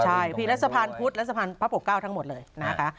ใช่ผีและสะพานพุธและสะพานพระปกเก้าทั้งหมดเลยนะคะ